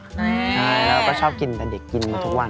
ใช่เราก็ชอบกินแต่เด็กกินทุกวัน